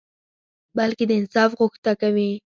بلکي د انصاف غوښته کوي